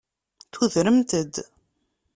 Tudremt-d.